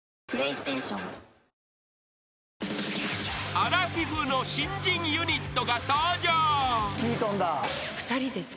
［アラフィフの新人ユニットが登場］